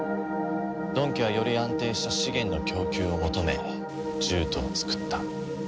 ドン家はより安定した資源の供給を求め獣人を作った。